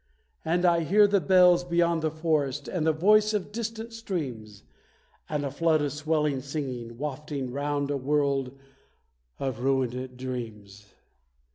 And I hear the bells beyond the forest, and the voice of distant streams; And a flood of swelling singing, wafting round a world of ruined dreams.